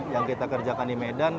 yang kita kerjakan di medan